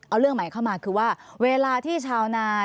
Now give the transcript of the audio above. เอาเรื่องใหม่เข้ามาคือว่าเวลาที่ชาวนา